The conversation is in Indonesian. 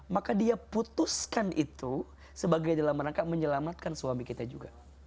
maka dia putuskan itu sebagai dalam rangka menyelamatkan suami kita juga